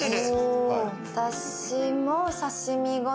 私も。